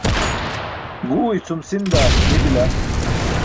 Guu icʰum sinda nibila